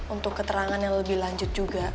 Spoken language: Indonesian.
untuk keterangan yang lebih lanjut juga